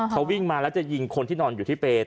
เขาวิ่งมาแล้วจะยิงคนที่นอนอยู่ที่เปน